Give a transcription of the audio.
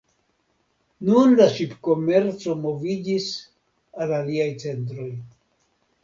Nun la ŝipkomerco moviĝis al aliaj centroj.